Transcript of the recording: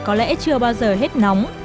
có lẽ chưa bao giờ hết nóng